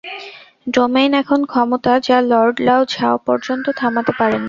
Domain এমন ক্ষমতা যা লর্ড লাও ঝাঁও পর্যন্ত থামাতে পারেননি।